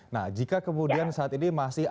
nah jika kemudian saat ini masih